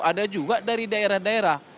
ada juga dari daerah daerah